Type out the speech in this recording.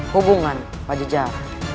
hubungan pak jejarah